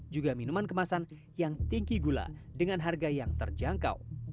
juga minuman kemasan yang tinggi gula dengan harga yang terjangkau